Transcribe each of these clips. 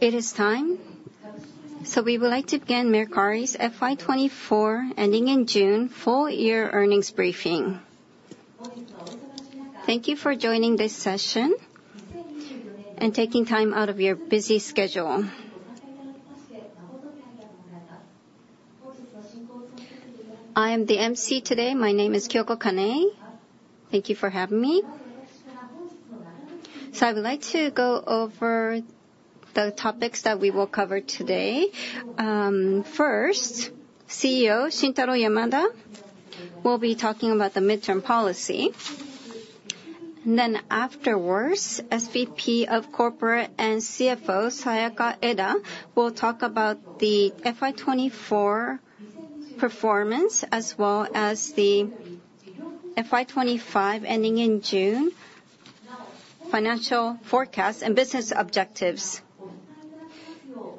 It is time, so we would like to begin Mercari's FY 2024, ending in June, full year earnings briefing. Thank you for joining this session and taking time out of your busy schedule. I am the MC today. My name is Kyoko Kanai. Thank you for having me. So I would like to go over the topics that we will cover today. First, CEO Shintaro Yamada will be talking about the midterm policy. And then afterwards, SVP of Corporate and CFO, Sayaka Eda, will talk about the FY 2024 performance, as well as the FY 2025, ending in June, financial forecast and business objectives.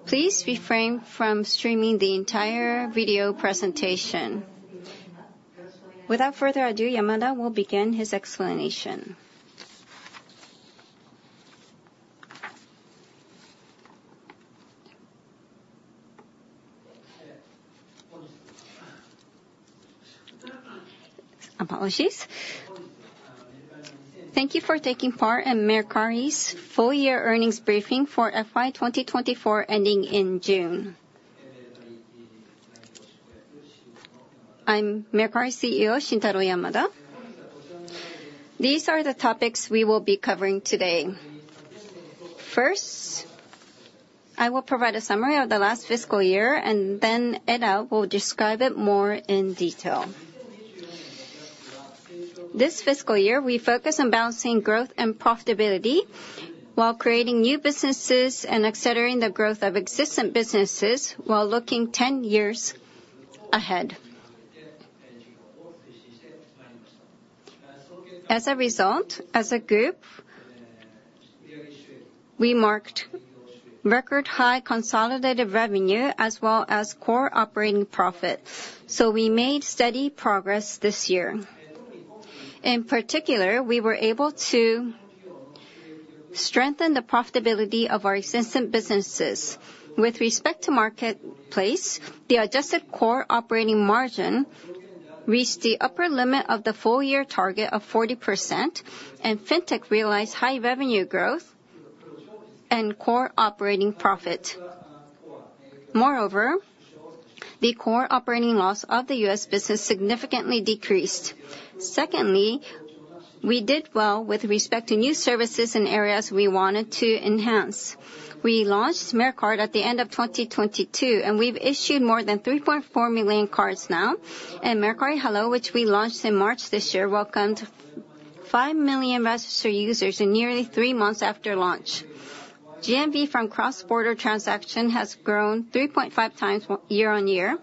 Please refrain from streaming the entire video presentation. Without further ado, Yamada will begin his explanation. Apologies. Thank you for taking part in Mercari's full year earnings briefing for FY 2024, ending in June. I'm Mercari CEO, Shintaro Yamada. These are the topics we will be covering today. First, I will provide a summary of the last fiscal year, and then Eda will describe it more in detail. This fiscal year, we focused on balancing growth and profitability, while creating new businesses and accelerating the growth of existing businesses while looking 10 years ahead. As a result, as a group, we marked record high consolidated revenue as well as Core Operating Profit, so we made steady progress this year. In particular, we were able to strengthen the profitability of our existing businesses. With respect to Marketplace, the Adjusted Core Operating Margin reached the upper limit of the full year target of 40%, and Fintech realized high revenue growth and Core Operating Profit. Moreover, the Core Operating Loss of the U.S. business significantly decreased. Secondly, we did well with respect to new services in areas we wanted to enhance. We launched MerCard at the end of 2022, and we've issued more than 3.4 million cards now. Mercari Hallo, which we launched in March this year, welcomed five million registered users in nearly three months after launch. GMV from cross-border transaction has grown 3.5x year-on-year,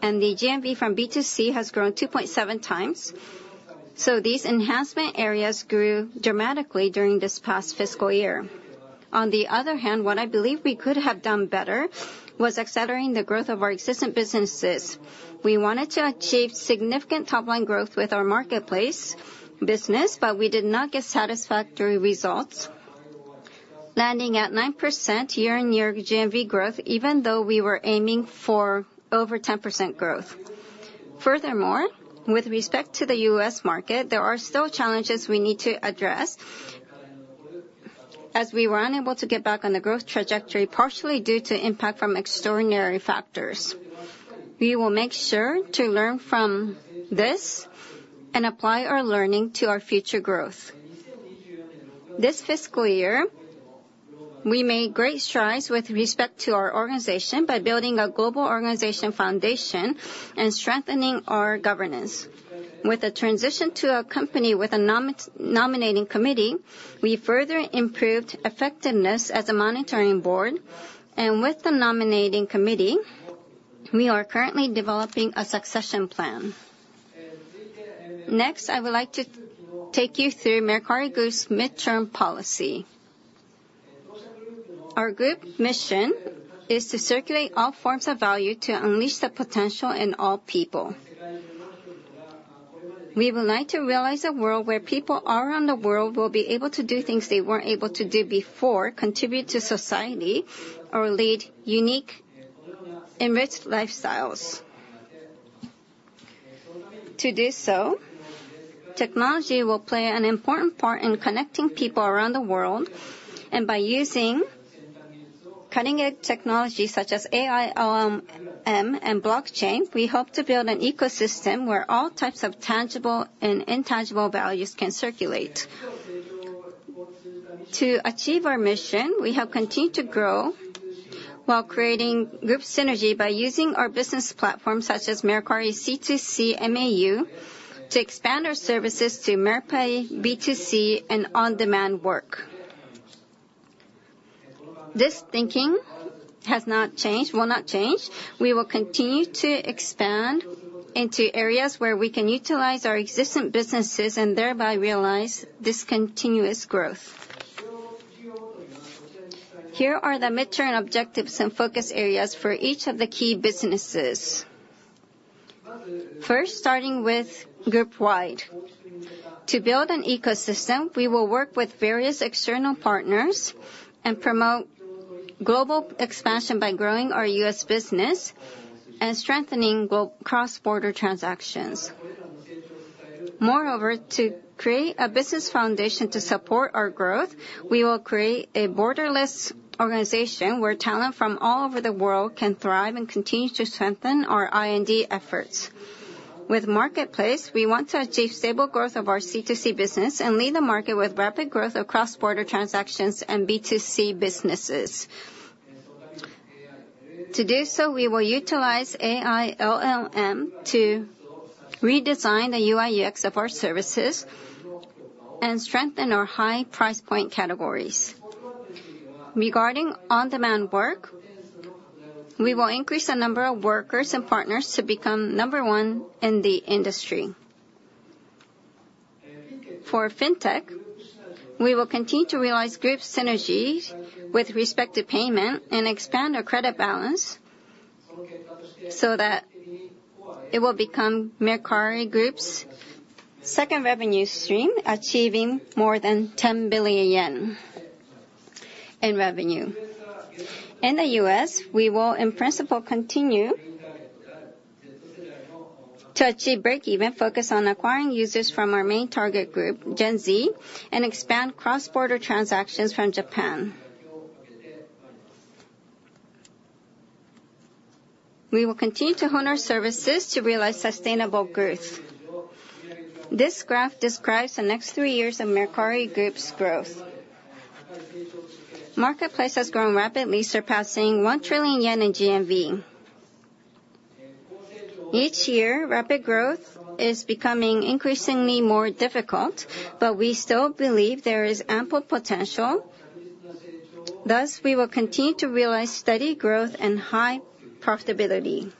and the GMV from B2C has grown 2.7x. So these enhancement areas grew dramatically during this past fiscal year. On the other hand, what I believe we could have done better was accelerating the growth of our existing businesses. We wanted to achieve significant top line growth with our marketplace business, but we did not get satisfactory results, landing at 9% year-on-year GMV growth, even though we were aiming for over 10% growth. Furthermore, with respect to the U.S. market, there are still challenges we need to address, as we were unable to get back on the growth trajectory, partially due to impact from extraordinary factors. We will make sure to learn from this and apply our learning to our future growth. This fiscal year, we made great strides with respect to our organization by building a global organization foundation and strengthening our governance. With the transition to a company with a Nominating Committee, we further improved effectiveness as a monitoring board, and with the Nominating Committee, we are currently developing a succession plan. Next, I would like to take you through Mercari Group's midterm policy. Our group mission is to circulate all forms of value to unleash the potential in all people. We would like to realize a world where people all around the world will be able to do things they weren't able to do before, contribute to society, or lead unique, enriched lifestyles. To do so, technology will play an important part in connecting people around the world, and by using cutting-edge technology such as AI, LLM, and blockchain, we hope to build an ecosystem where all types of tangible and intangible values can circulate. To achieve our mission, we have continued to grow while creating group synergy by using our business platform, such as Mercari C2C MAU, to expand our services to Mercari B2C and on-demand work. This thinking has not changed, will not change. We will continue to expand into areas where we can utilize our existing businesses and thereby realize this continuous growth. Here are the midterm objectives and focus areas for each of the key businesses. First, starting with group-wide. To build an ecosystem, we will work with various external partners and promote global expansion by growing our U.S. business and strengthening global cross-border transactions. Moreover, to create a business foundation to support our growth, we will create a borderless organization where talent from all over the world can thrive and continue to strengthen our I&D efforts. With marketplace, we want to achieve stable growth of our C2C business and lead the market with rapid growth of cross-border transactions and B2C businesses. To do so, we will utilize AI LLM to redesign the UI/UX of our services and strengthen our high price point categories. Regarding on-demand work, we will increase the number of workers and partners to become number one in the industry. For Fintech, we will continue to realize group synergies with respect to payment and expand our credit balance, so that it will become Mercari Group's second revenue stream, achieving more than 10 billion yen in revenue. In the U.S., we will, in principle, continue to achieve breakeven, focus on acquiring users from our main target group, Gen Z, and expand cross-border transactions from Japan. We will continue to hone our services to realize sustainable growth. This graph describes the next three years of Mercari Group's growth. Marketplace has grown rapidly, surpassing 1 trillion yen in GMV. Each year, rapid growth is becoming increasingly more difficult, but we still believe there is ample potential. Thus, we will continue to realize steady growth and high profitability.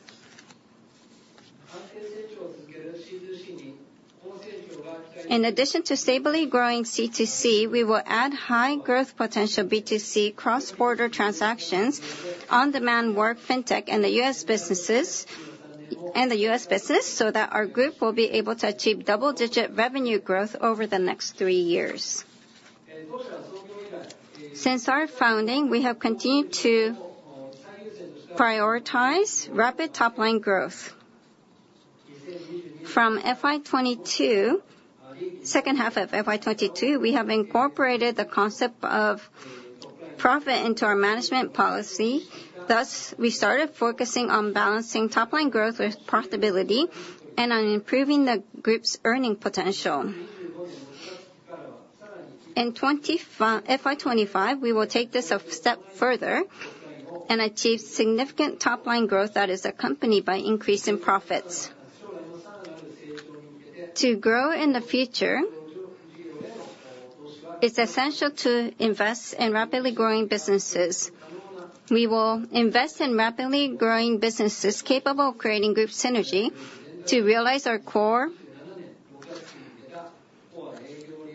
In addition to stably growing C2C, we will add high growth potential B2C cross-border transactions, on-demand work, Fintech, and the U.S. businesses, and the U.S. business, so that our group will be able to achieve double-digit revenue growth over the next three years. Since our founding, we have continued to prioritize rapid top-line growth. From FY 2022, second half of FY 2022, we have incorporated the concept of profit into our management policy. Thus, we started focusing on balancing top-line growth with profitability and on improving the group's earning potential. In FY 2025, we will take this a step further and achieve significant top-line growth that is accompanied by increasing profits. To grow in the future, it's essential to invest in rapidly growing businesses. We will invest in rapidly growing businesses capable of creating group synergy to realize our core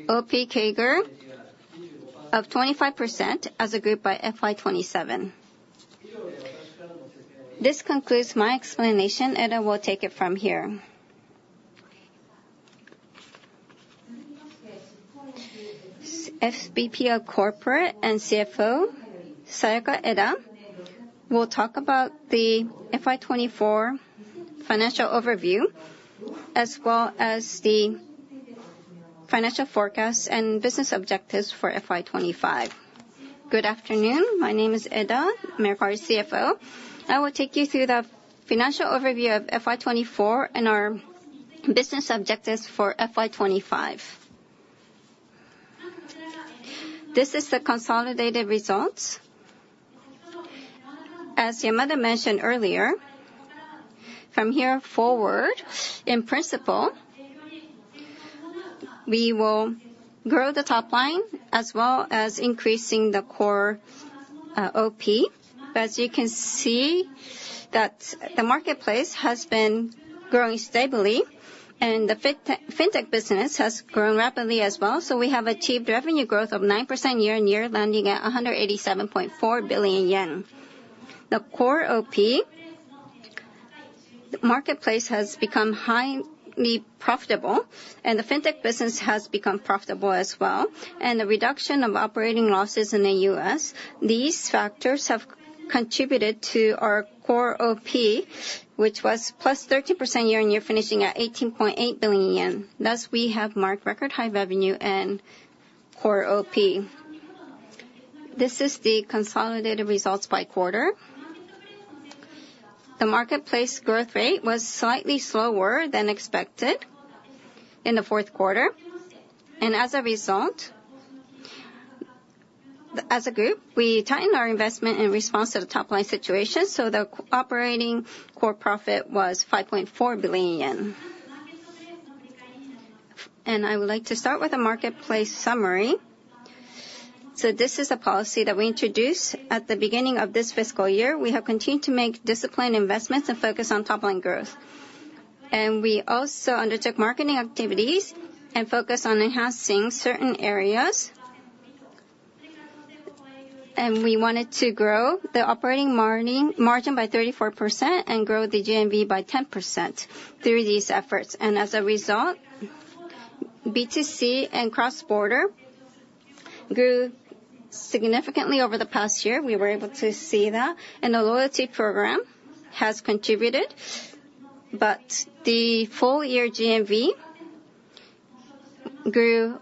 OP CAGR of 25% as a group by FY 2027. This concludes my explanation. Eda will take it from here. SVP of Corporate and CFO, Sayaka Eda, will talk about the FY 2024 financial overview, as well as the financial forecast and business objectives for FY 2025. Good afternoon. My name is Eda, Mercari's CFO. I will take you through the financial overview of FY 2024 and our business objectives for FY 2025. This is the consolidated results. As Yamada mentioned earlier, from here forward, in principle, we will grow the top line as well as increasing the core OP. But as you can see that the marketplace has been growing stably, and the Fintech business has grown rapidly as well, so we have achieved revenue growth of 9% year-on-year, landing at 187.4 billion yen. The core OP, the marketplace has become highly profitable, and the Fintech business has become profitable as well, and the reduction of operating losses in the U.S. These factors have contributed to our core OP, which was +13% year-on-year, finishing at 18.8 billion yen. Thus, we have marked record high revenue and core OP. This is the consolidated results by quarter. The marketplace growth rate was slightly slower than expected in the fourth quarter, and as a result, as a group, we tightened our investment in response to the top-line situation, so the operating core profit was 5.4 billion yen. And I would like to start with a marketplace summary. So this is a policy that we introduced at the beginning of this fiscal year. We have continued to make disciplined investments and focus on top-line growth. And we also undertook marketing activities and focused on enhancing certain areas.... and we wanted to grow the operating margin, margin by 34%, and grow the GMV by 10% through these efforts. And as a result, B2C and cross-border grew significantly over the past year. We were able to see that, and the loyalty program has contributed, but the full year GMV grew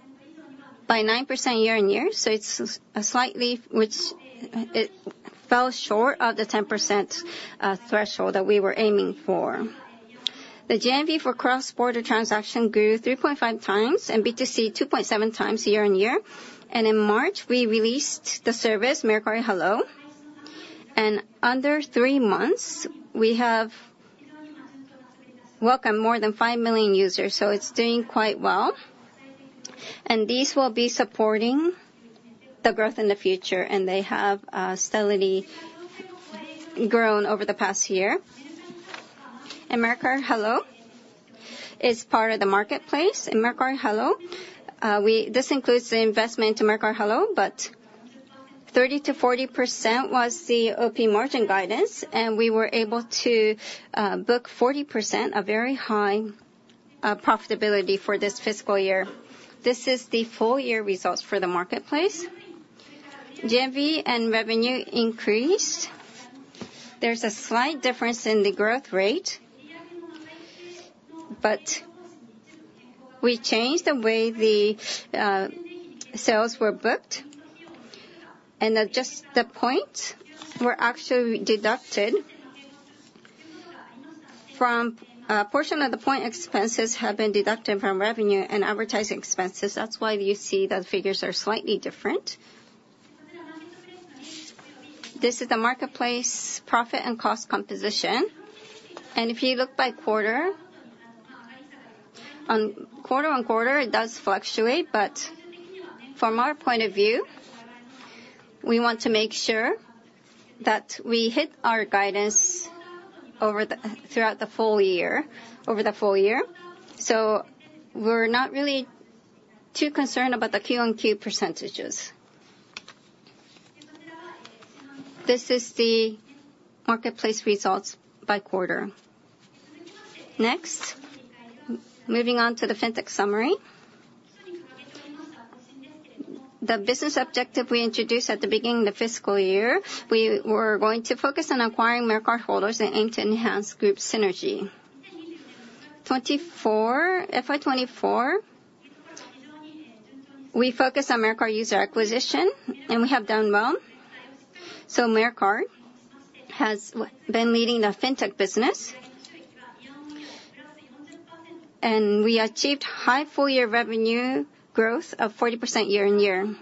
by 9% year-on-year, so it's slightly, which it fell short of the 10%, threshold that we were aiming for. The GMV for cross-border transaction grew 3.5x, and B2C 2.7x year-on-year. In March, we released the service, Mercari Hallo, and under three months, we have welcomed more than five million users, so it's doing quite well. These will be supporting the growth in the future, and they have steadily grown over the past year. Mercari Hallo is part of the marketplace. In Mercari Hallo, this includes the investment to Mercari Hallo, but 30%-40% was the OP margin guidance, and we were able to book 40%, a very high profitability for this fiscal year. This is the full year results for the marketplace. GMV and revenue increased. There's a slight difference in the growth rate, but we changed the way the sales were booked, and just the points were actually deducted from... A portion of the point expenses have been deducted from revenue and advertising expenses, that's why you see the figures are slightly different. This is the marketplace profit and cost composition, and if you look by quarter, quarter-on-quarter, it does fluctuate, but from our point of view, we want to make sure that we hit our guidance over the throughout the full year, over the full year, so we're not really too concerned about the Q-on-Q percentages. This is the marketplace results by quarter. Next, moving on to the Fintech summary. The business objective we introduced at the beginning of the fiscal year, we were going to focus on acquiring MerCard holders and aim to enhance group synergy. 2024, FY 2024, we focused on Mercari user acquisition, and we have done well. So Mercari has been leading the Fintech business. We achieved high full-year revenue growth of 40% year-on-year.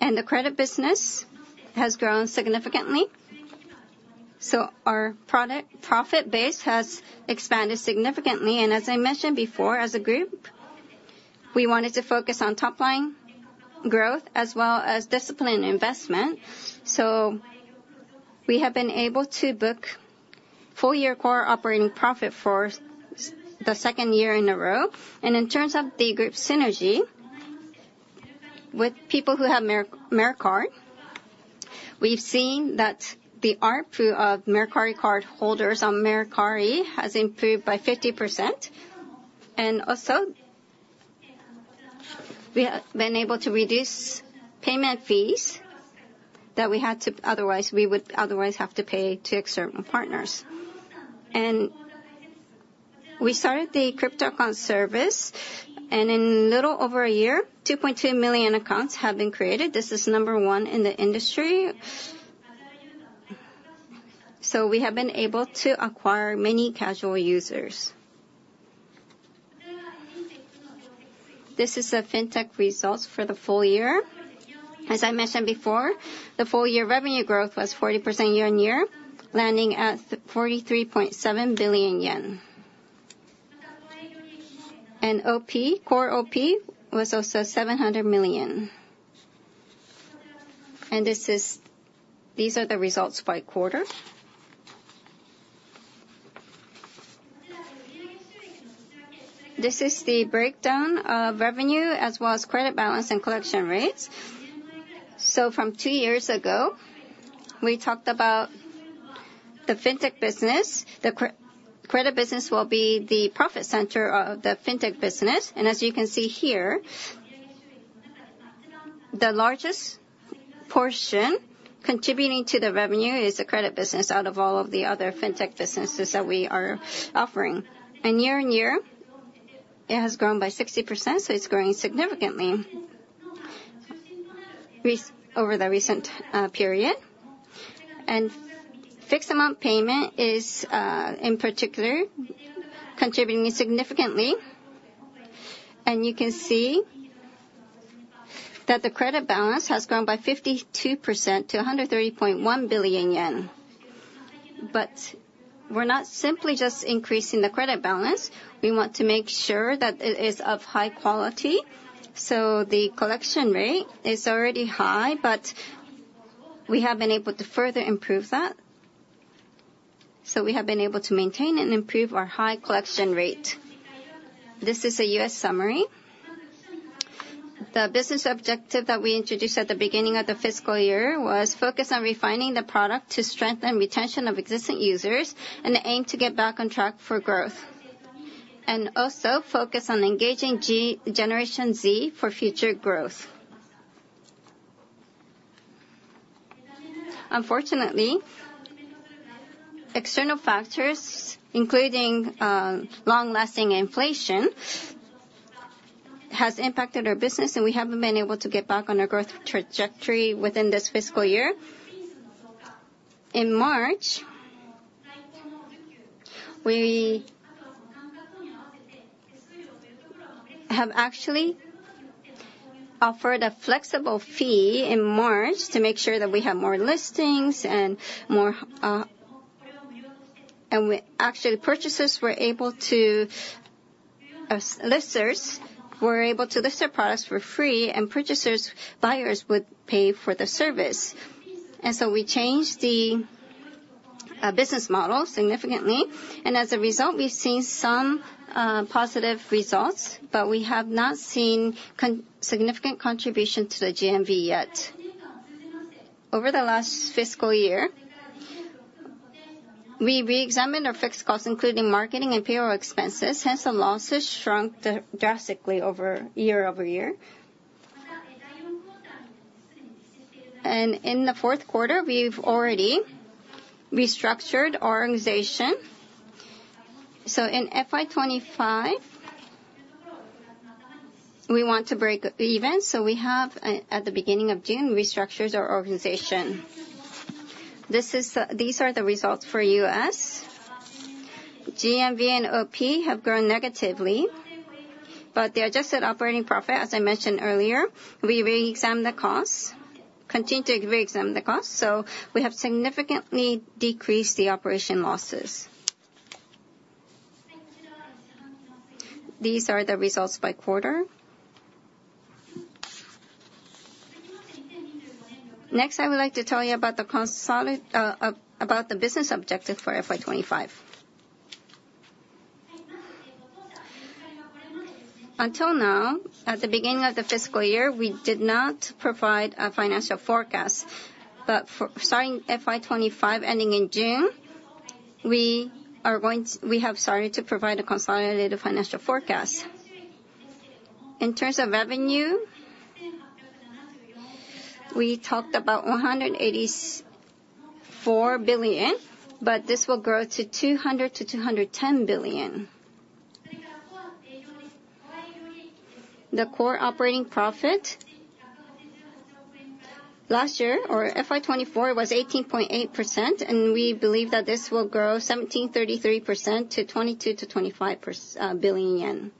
The credit business has grown significantly, so our product profit base has expanded significantly, and as I mentioned before, as a group, we wanted to focus on top-line growth as well as disciplined investment. We have been able to book full-year core operating profit for the second year in a row. In terms of the group synergy, with people who have Mercari, we've seen that the ARPU of MerCard holders on Mercari has improved by 50%, and also, we have been able to reduce payment fees that we had to, otherwise, we would otherwise have to pay to external partners. We started the crypto account service, and in little over a year, 2.2 million accounts have been created. This is number one in the industry. So we have been able to acquire many casual users. This is the Fintech results for the full year. As I mentioned before, the full-year revenue growth was 40% year-on-year, landing at 43.7 billion yen. And OP, core OP, was also 700 million. And this is—these are the results by quarter. This is the breakdown of revenue as well as credit balance and collection rates. So from two years ago, we talked about the Fintech business. The credit business will be the profit center of the Fintech business, and as you can see here, the largest portion contributing to the revenue is the credit business out of all of the other Fintech businesses that we are offering. And year-on-year, it has grown by 60%, so it's growing significantly over the recent period. Fixed amount payment is, in particular, contributing significantly. You can see that the credit balance has grown by 52% to 130.1 billion yen. But we're not simply just increasing the credit balance, we want to make sure that it is of high quality, so the collection rate is already high, but we have been able to further improve that. So we have been able to maintain and improve our high collection rate. This is a U.S. summary. The business objective that we introduced at the beginning of the fiscal year was focus on refining the product to strengthen retention of existing users, and aim to get back on track for growth. Also focus on engaging G, Generation Z for future growth. Unfortunately, external factors, including long-lasting inflation, has impacted our business, and we haven't been able to get back on our growth trajectory within this fiscal year. In March, we have actually offered a flexible fee in March to make sure that we have more listings and more actually purchasers were able to listers were able to list their products for free, and purchasers, buyers would pay for the service. And so we changed the business model significantly, and as a result, we've seen some positive results, but we have not seen significant contribution to the GMV yet. Over the last fiscal year, we re-examined our fixed costs, including marketing and payroll expenses, hence the losses shrunk drastically year-over-year. In the fourth quarter, we've already restructured our organization. So in FY 2025, we want to break even, so we have, at the beginning of June, restructured our organization. These are the results for U.S. GMV and OP have grown negatively, but the adjusted operating profit, as I mentioned earlier, we re-examined the costs, continue to re-examine the costs, so we have significantly decreased the operating losses. These are the results by quarter. Next, I would like to tell you about the consolidated about the business objective for FY 2025. Until now, at the beginning of the fiscal year, we did not provide a financial forecast, but for starting FY 2025, ending in June, we are going to, we have started to provide a consolidated financial forecast. In terms of revenue, we talked about 184 billion, but this will grow to 200 billion-210 billion. The core operating profit last year, or FY 2024, was 18.8%, and we believe that this will grow 17%-33% to JPY 22 billion-JPY 25 billion.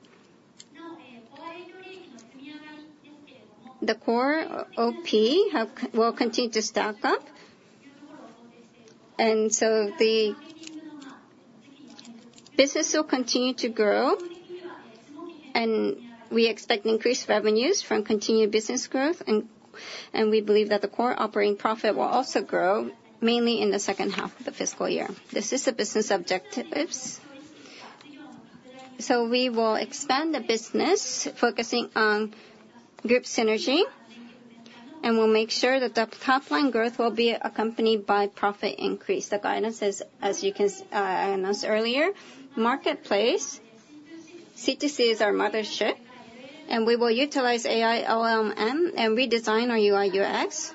The core OP will continue to stock up, and so the business will continue to grow, and we expect increased revenues from continued business growth, and we believe that the core operating profit will also grow, mainly in the second half of the fiscal year. This is the business objectives. So we will expand the business, focusing on group synergy, and we'll make sure that the top-line growth will be accompanied by profit increase. The guidance is, as you can, I announced earlier. Marketplace, C2C is our mothership, and we will utilize AI, LLM, and redesign our UI/UX,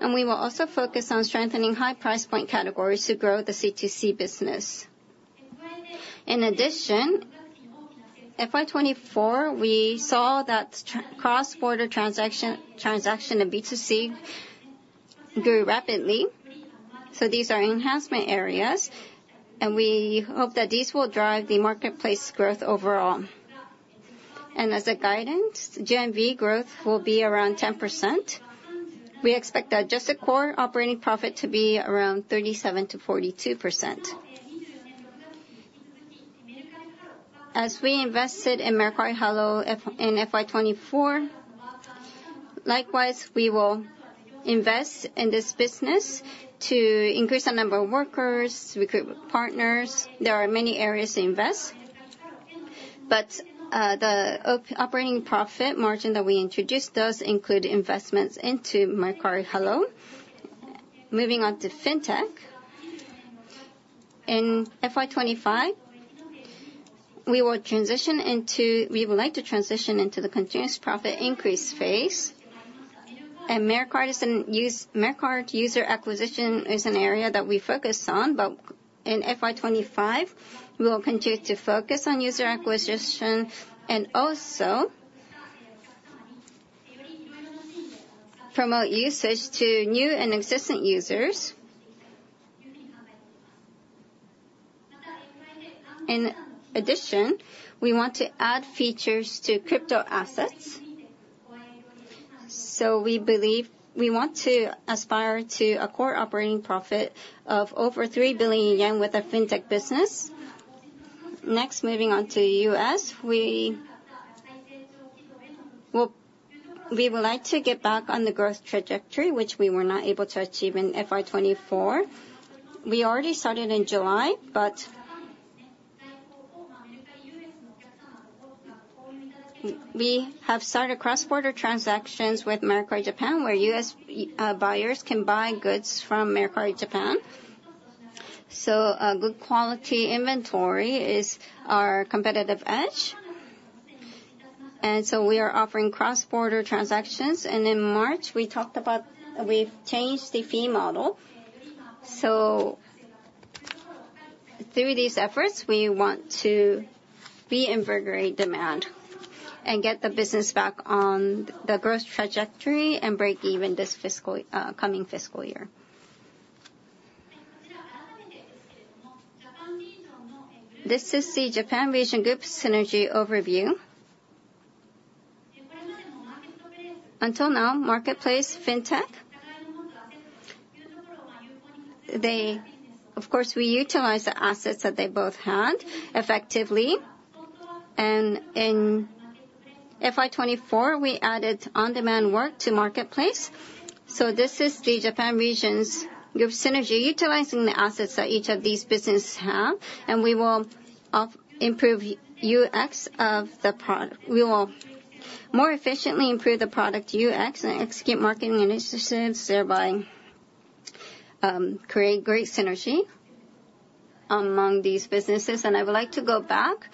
and we will also focus on strengthening high price point categories to grow the C2C business. In addition, FY 2024, we saw that cross-border transactions in B2C grew rapidly, so these are enhancement areas, and we hope that these will drive the marketplace growth overall. As a guidance, GMV growth will be around 10%. We expect the adjusted core operating profit to be around 37%-42%. As we invested in Mercari Hallo in FY 2024, likewise, we will invest in this business to increase the number of workers, recruit partners. There are many areas to invest, but the operating profit margin that we introduced does include investments into Mercari Hallo. Moving on to Fintech. In FY 2025, we would like to transition into the continuous profit increase phase, and Mercari user acquisition is an area that we focus on, but in FY 2025, we will continue to focus on user acquisition and also promote usage to new and existing users. In addition, we want to add features to crypto assets, so we believe we want to aspire to a core operating profit of over 3 billion yen with the Fintech business. Next, moving on to U.S., Well, we would like to get back on the growth trajectory, which we were not able to achieve in FY 2024. We already started in July, but we have started cross-border transactions with Mercari Japan, where U.S. buyers can buy goods from Mercari Japan. A good quality inventory is our competitive edge, and so we are offering cross-border transactions. In March, we talked about, we've changed the fee model. Through these efforts, we want to reinvigorate demand and get the business back on the growth trajectory and break even this fiscal, coming fiscal year. This is the Japan Region Group Synergy overview. Until now, marketplace Fintech, they. Of course, we utilize the assets that they both had effectively, and in FY 2024, we added on-demand work to marketplace. This is the Japan Region's group synergy, utilizing the assets that each of these businesses have, and we will improve UX of the product. We will more efficiently improve the product UX and execute marketing initiatives, thereby create great synergy among these businesses. I would like to go back,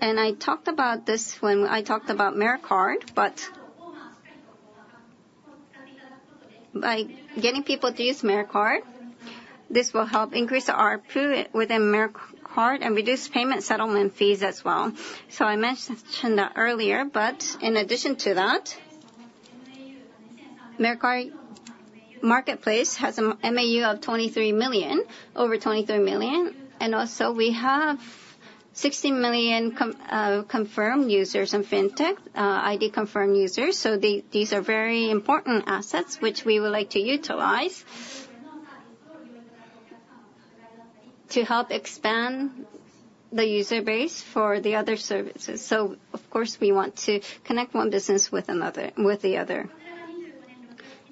and I talked about this when I talked about Mercari, but by getting people to use Mercari, this will help increase the ARPU within Mercari and reduce payment settlement fees as well. I mentioned that earlier, but in addition to that, Mercari Marketplace has an MAU of 23 million, over 23 million, and also we have 16 million confirmed users in Fintech, ID-confirmed users. These are very important assets, which we would like to utilize to help expand the user base for the other services. Of course, we want to connect one business with another, with the other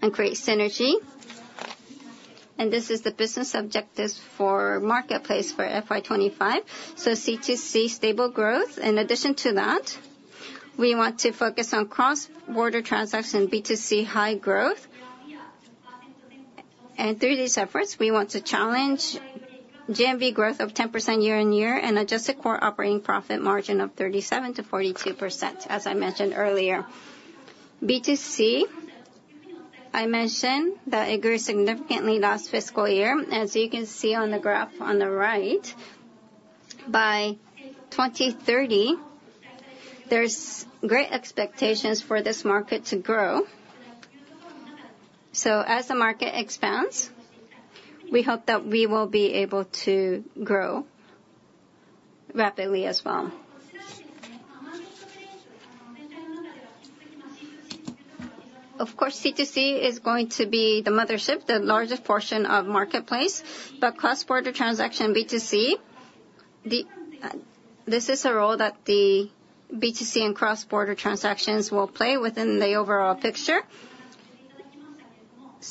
and create synergy. This is the business objectives for marketplace for FY 2025, so C2C stable growth. In addition to that, we want to focus on cross-border transaction, B2C high growth. Through these efforts, we want to challenge GMV growth of 10% year-over-year and adjusted core operating profit margin of 37%-42%, as I mentioned earlier. B2C, I mentioned that it grew significantly last fiscal year. As you can see on the graph on the right, by 2030, there's great expectations for this market to grow. As the market expands, we hope that we will be able to grow rapidly as well. Of course, C2C is going to be the mothership, the largest portion of marketplace, but cross-border transaction B2C, the, this is a role that the B2C and cross-border transactions will play within the overall picture.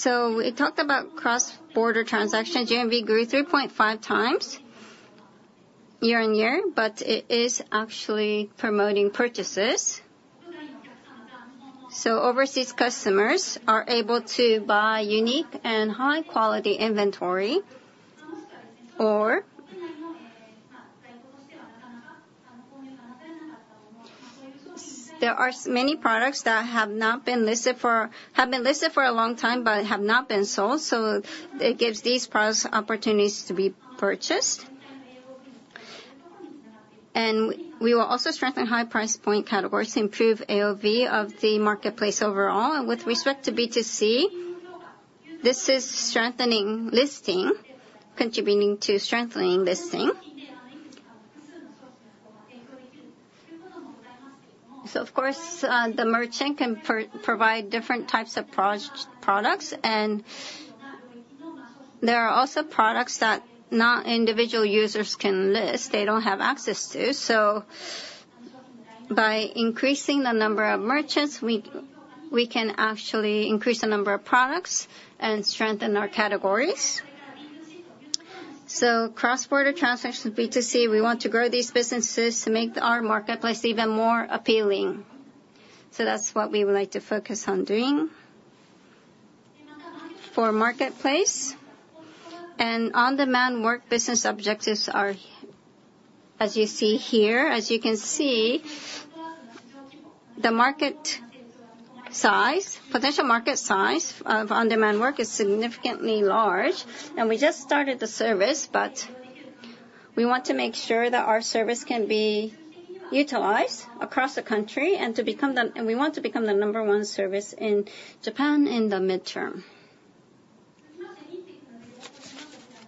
We talked about cross-border transaction. GMV grew 3.5x year-over-year, but it is actually promoting purchases. Overseas customers are able to buy unique and high-quality inventory, or there are many products that have been listed for a long time, but have not been sold, so it gives these products opportunities to be purchased. We will also strengthen high price point categories to improve AOV of the marketplace overall. With respect to B2C, this is strengthening listing, contributing to strengthening listing. Of course, the merchant can provide different types of products, and there are also products that not individual users can list, they don't have access to. By increasing the number of merchants, we, we can actually increase the number of products and strengthen our categories. Cross-border transactions, B2C, we want to grow these businesses to make our marketplace even more appealing. So that's what we would like to focus on doing for Marketplace. On-demand work business objectives are, as you see here, as you can see, the market size, potential market size of on-demand work is significantly large. And we just started the service, but we want to make sure that our service can be utilized across the country and to become the... And we want to become the number one service in Japan in the midterm.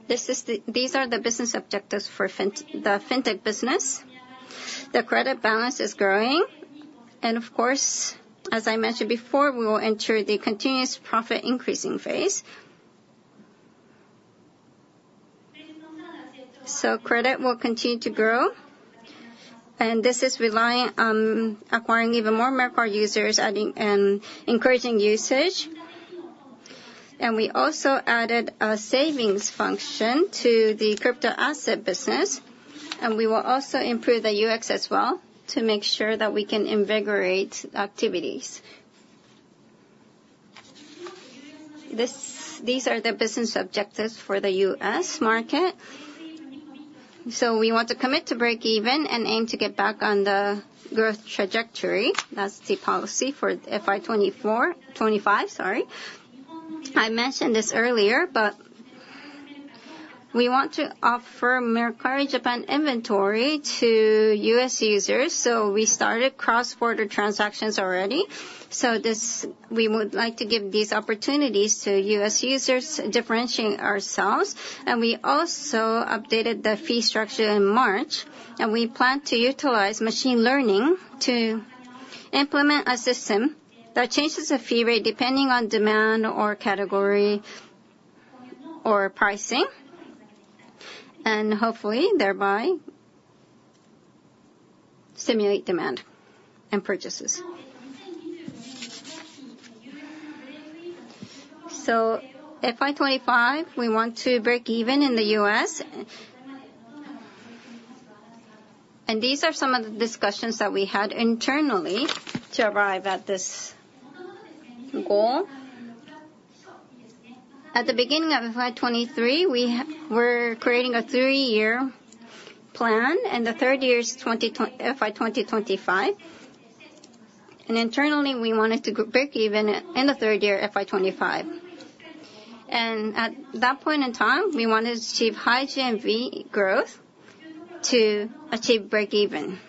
These are the business objectives for the Fintech business. The credit balance is growing, and of course, as I mentioned before, we will enter the continuous profit increasing phase. So credit will continue to grow, and this is relying on acquiring even more Mercari users, adding and encouraging usage. We also added a savings function to the crypto asset business, and we will also improve the UX as well, to make sure that we can invigorate activities. This, these are the business objectives for the US market. So we want to commit to break even and aim to get back on the growth trajectory. That's the policy for FY 2024, 2025, sorry. I mentioned this earlier, but we want to offer Mercari Japan inventory to US users, so we started cross-border transactions already. So this, we would like to give these opportunities to US users, differentiate ourselves, and we also updated the fee structure in March, and we plan to utilize machine learning to implement a system that changes the fee rate depending on demand or category or pricing, and hopefully thereby simulate demand and purchases. So FY 2025, we want to break even in the U.S. These are some of the discussions that we had internally to arrive at this goal. At the beginning of FY 2023, we're creating a three-year plan, and the third year is FY 2025. Internally, we wanted to break even in the third year, FY 2025. At that point in time, we wanted to achieve high GMV growth to achieve break even.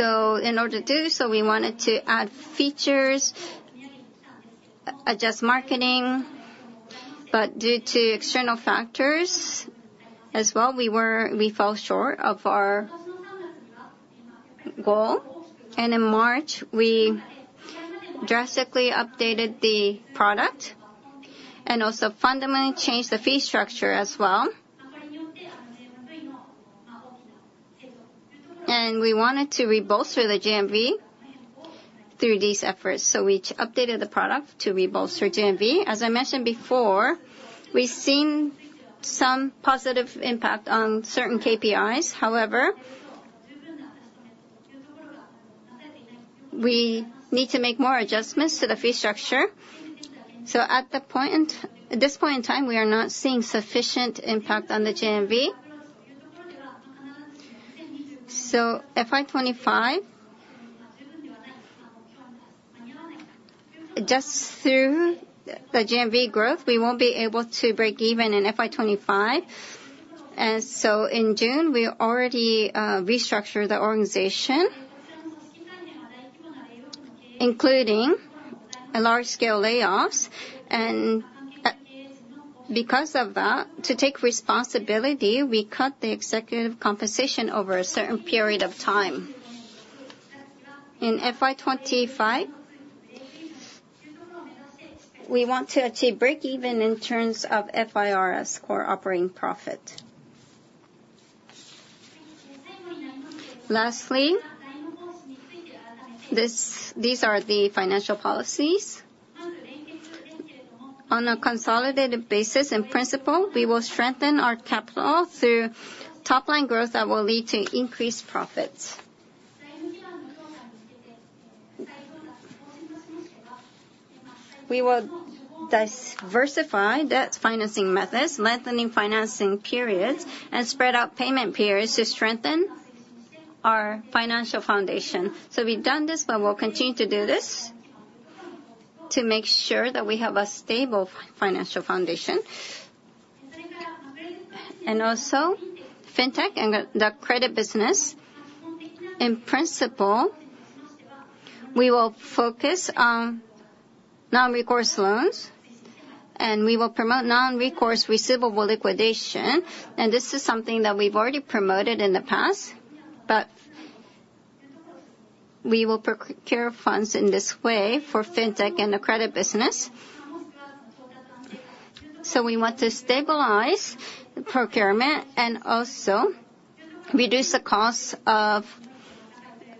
In order to do so, we wanted to add features, adjust marketing, but due to external factors as well, we fell short of our goal. In March, we drastically updated the product and also fundamentally changed the fee structure as well. We wanted to rebolster the GMV through these efforts, so we updated the product to rebolster GMV. As I mentioned before, we've seen some positive impact on certain KPIs. However, we need to make more adjustments to the fee structure. So at this point in time, we are not seeing sufficient impact on the GMV. So FY 2025, just through the GMV growth, we won't be able to break even in FY 2025. And so in June, we already restructured the organization, including a large-scale layoffs. And because of that, to take responsibility, we cut the executive compensation over a certain period of time. In FY 2025, we want to achieve break even in terms of IFRS core operating profit. Lastly, these are the financial policies. On a consolidated basis and principle, we will strengthen our capital through top line growth that will lead to increased profits. We will diversify debt financing methods, lengthening financing periods, and spread out payment periods to strengthen our financial foundation. So we've done this, but we'll continue to do this to make sure that we have a stable financial foundation. Also, Fintech and the credit business. In principle, we will focus on non-recourse loans, and we will promote non-recourse receivable liquidation, and this is something that we've already promoted in the past, but we will procure funds in this way for Fintech and the credit business. So we want to stabilize the procurement and also reduce the cost of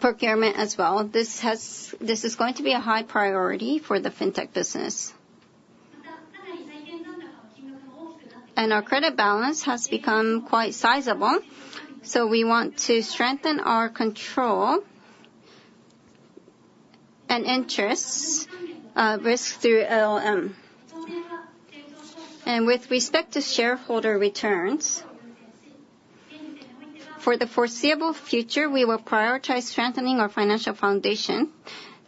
procurement as well. This is going to be a high priority for the Fintech business. Our credit balance has become quite sizable, so we want to strengthen our control and interests, risk through LLM. With respect to shareholder returns, for the foreseeable future, we will prioritize strengthening our financial foundation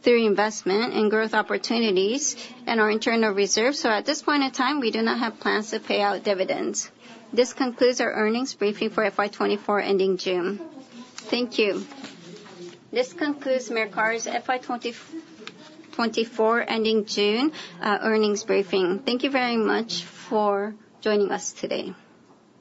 through investment in growth opportunities and our internal reserves. So at this point in time, we do not have plans to pay out dividends. This concludes our earnings briefing for FY2024, ending June. Thank you. This concludes Mercari's FY 2024, ending June, earnings briefing. Thank you very much for joining us today.